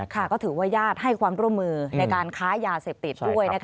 ก็ถือว่าญาติให้ความร่วมมือในการค้ายาเสพติดด้วย